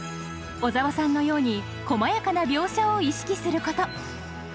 小沢さんのように細やかな描写を意識すること。